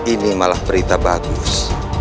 ini malah berita bagus